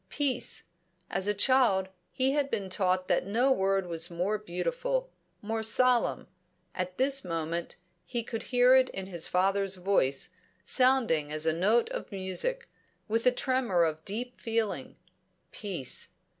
Peace! As a child he had been taught that no word was more beautiful, more solemn; at this moment, he could hear it in his father's voice, sounding as a note of music, with a tremor of deep feeling. Peace!